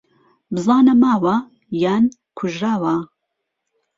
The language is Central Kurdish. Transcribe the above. بزانه ماوه یان کوژراوه